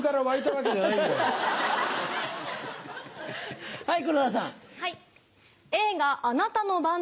はい。